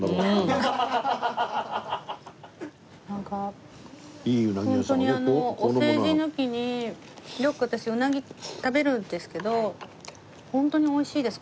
なんかホントにお世辞抜きによく私うなぎ食べるんですけどホントに美味しいです